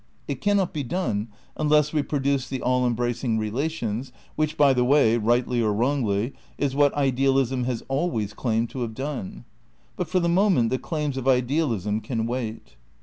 ^ It cannot be done "Unless we produce the all embracing relations, ''^ which by the way, rightly or wrongly, is what idealism has always claimed to have done. But for the moment the claims of idealism can wait.